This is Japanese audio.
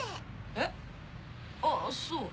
えっあぁそう。